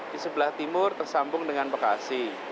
di sebelah timur tersambung dengan bekasi